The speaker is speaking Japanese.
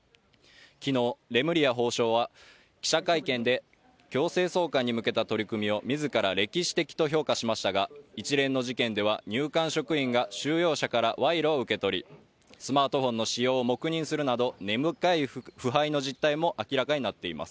昨日レムリヤ法相は記者会見で強制送還に向けた取り組みをみずから歴史的と評価しましたが一連の事件では入管職員が収容者から賄賂を受け取りスマートフォンの使用を黙認するなど根深い腐敗の実態も明らかになっています